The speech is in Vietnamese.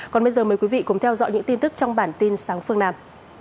còn bây giờ mời quý vị cùng theo dõi những tin tức trong bản tin sáng phương nam